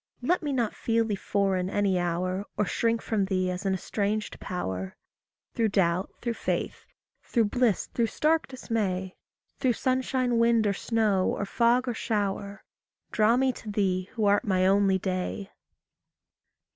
Let me not feel thee foreign any hour, Or shrink from thee as an estranged power. Through doubt, through faith, through bliss, through stark dismay, Through sunshine, wind, or snow, or fog, or shower, Draw me to thee who art my only day.